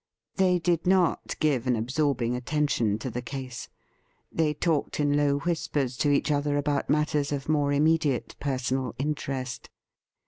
They did not give an absorbing attention to the case. They talked in low whispers to each other about matters of more immediate personal interest.